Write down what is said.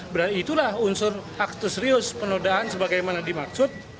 berarti itulah unsur aktus rius penodaan sebagaimana dimaksud